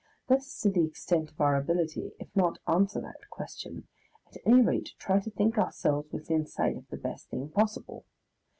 Let us to the extent of our ability, if not answer that question, at any rate try to think ourselves within sight of the best thing possible.